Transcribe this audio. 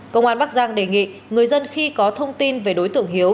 công an bắc giang đề nghị người dân khi có thông tin về đối tượng hiếu